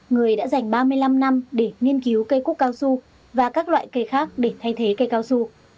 người đã dành ba mươi năm năm để nghiên cứu cây cúc cao su và các loại cây khác để thay thế cây cao su